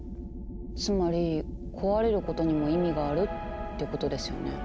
つまり壊れることにも意味があるってことですよね。